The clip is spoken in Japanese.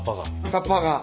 カッパが。